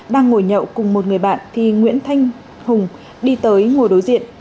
đang ngồi nhậu cùng một người bạn thì nguyễn thanh hùng đi tới ngồi đối diện